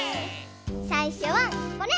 さいしょはこれ。